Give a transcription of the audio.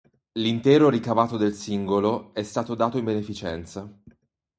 L'intero ricavato del singolo è stato dato in beneficenza.